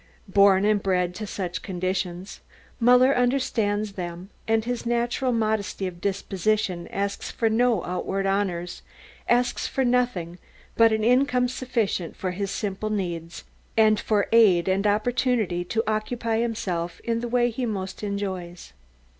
Born and bred to such conditions, Muller understands them, and his natural modesty of disposition asks for no outward honours, asks for nothing but an income sufficient for his simple needs, and for aid and opportunity to occupy himself in the way he most enjoys.